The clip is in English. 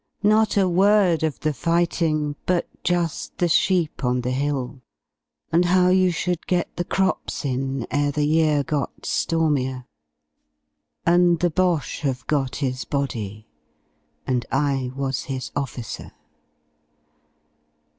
Not a word of the fighting But just the sheep on the hill And how you should get the crops in Ere the year got stormier, 40 And the Bosches have got his body. And I was his officer.